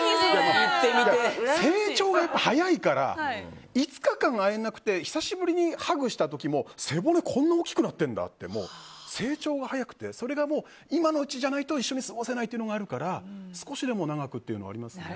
成長が早いから５日間会えずに久しぶりにハグした時も背骨、こんなに大きくなってるんだって成長が早くて、それが今のうちじゃないと一緒に過ごせないというのがあるから少しでも長くっていうのはありますね。